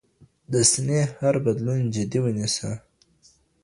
د سينې هر بدلون جدي ونيسه